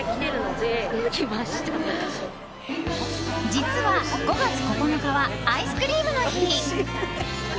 実は、５月９日はアイスクリームの日。